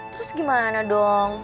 terus gimana dong